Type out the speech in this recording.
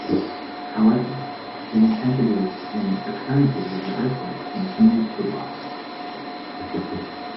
However, the intensities and occurrences of the earthquakes continued to rise.